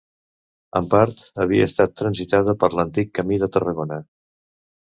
En part havia estat transitada per l'antic camí de Tarragona.